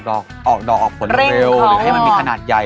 ออกดอกออกผลเร็วหรือให้มันมีขนาดใหญ่